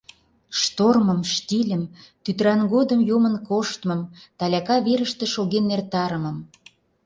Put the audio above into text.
Штормым, штильым, тӱтыран годым йомын коштмым, таляка верыште шоген эртарымым...